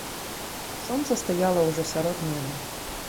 Сонца стаяла ўжо сярод неба.